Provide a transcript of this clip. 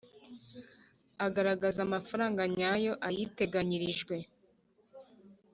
agaragaze amafaranga nyayo ayiteganyirijwe.